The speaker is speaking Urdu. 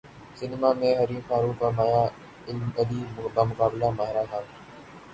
سینماں میں حریم فاروق اور مایا علی بمقابلہ ماہرہ خان